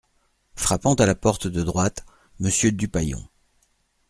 Frappant à la porte de droite., Monsieur Dupaillon !